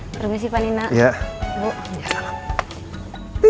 permisi panino bu